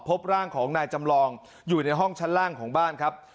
พบร่างของนายจำลองอยู่ในห้องชั้นล่างของบ้านครับ